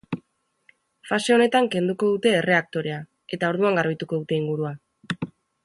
Fase honetan kenduko dute erreaktorea, eta orduan garbituko dute ingurua.